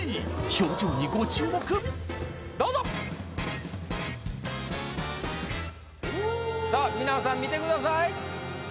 表情にご注目どうぞさあみなさん見てください